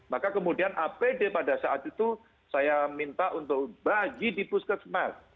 maka kemudian apd pada saat itu saya minta untuk bagi di puskesmas